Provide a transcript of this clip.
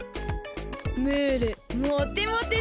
ムールモテモテじゃん。